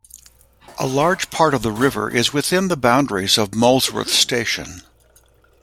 A large part of the river is within the boundaries of Molesworth Station.